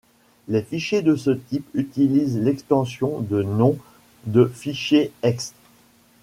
Les fichiers de ce type utilisent l'extension de nom de fichier ext.